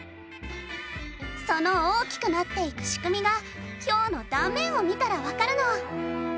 その大きくなっていく仕組みがひょうの断面を見たらわかるの。